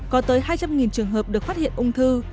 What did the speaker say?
có tới hai trăm linh trường hợp được phát hiện ung thư